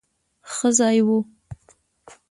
ښه ځای وو.